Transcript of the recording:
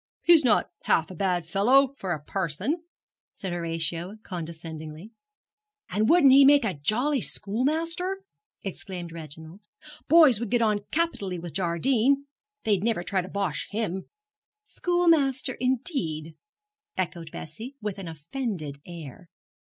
'He's not half a bad fellow for a parson,' said Horatio, condescendingly. 'And wouldn't he make a jolly schoolmaster?' exclaimed Reginald. 'Boys would get on capitally with Jardine. They'd never try to bosh him.' 'Schoolmaster, indeed?' echoed Bessie, with an offended air.